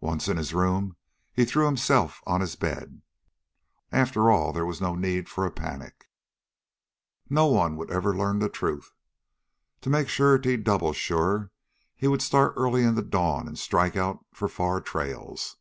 Once in his room he threw himself on his bed. After all there was no need for a panic. No one would ever learn the truth. To make surety doubly sure he would start early in the dawn and strike out for far trails.